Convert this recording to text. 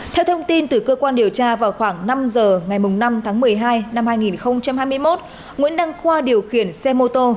theo thông tin từ cơ quan điều tra vào khoảng năm giờ ngày năm tháng một mươi hai năm hai nghìn hai mươi một nguyễn đăng khoa điều khiển xe mô tô